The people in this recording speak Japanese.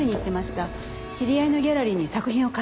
知り合いのギャラリーに作品を貸し出してたんで。